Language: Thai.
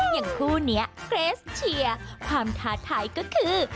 อย่างคู่นี้เกรสเชียร์ความท้าทายก็คือ